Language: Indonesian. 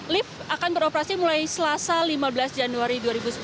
lift akan beroperasi mulai selasa lima belas januari dua ribu sembilan belas